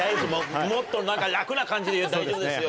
もっと何か楽な感じで大丈夫です。